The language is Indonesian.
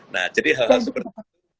nah jadi hal hal seperti itu